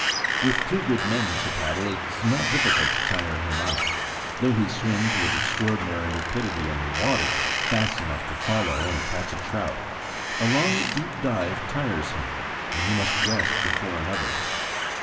With two good men to paddle, it is not difficult to tire him out. Though he swims with extraordinary rapidity under water fast enough to follow and catch a trout a long deep dive tires him, and he must rest before another.